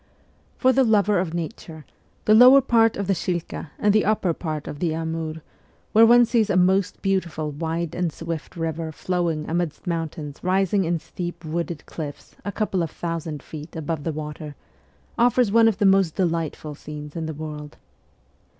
For the lover of nature, the lower part of the Shilka and the upper part of the Amur, where one sees a most beautiful, wide, and swift river flowing amidst mountains rising in steep wooded cliffs a couple of thousand feet above the water, offers one of the most delightful scenes in the world.